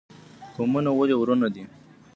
قومونه ولې ورونه دي؟